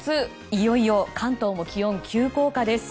いよいよ関東も気温急降下です。